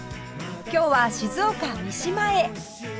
今日は静岡三島へ